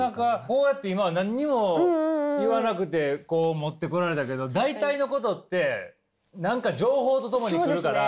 こうやって今は何も言わなくてこう持ってこられたけど大体のことって何か情報とともに来るから。